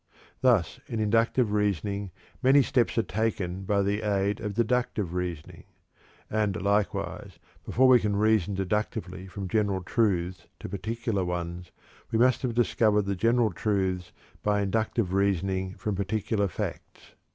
Thus, in inductive reasoning many steps are taken by the aid of deductive reasoning; and, likewise, before we can reason deductively from general truths to particular ones we must have discovered the general truths by inductive reasoning from particular facts.